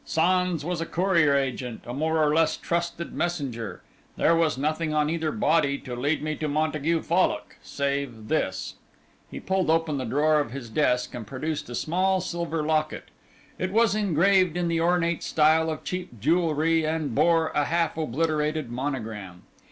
Sans was a courier agent, a more or less trusted messenger. There was nothing on either body to lead me to Montague Fallock, save this." He pulled open the drawer of his desk and produced a small silver locket. It was engraved in the ornate style of cheap jewellery and bore a half obliterated monogram.